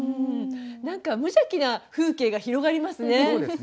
何か無邪気な風景が広がりますね。